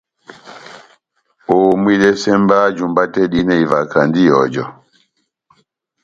Homwidɛsɛ mba jumba tɛ́h dihinɛ ivahakandi ihɔjɔ.